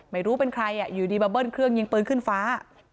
ไม่รู้เป็นใครอยู่ดีมาเบิ้ลเครื่องยิงปืนขึ้นฟ้า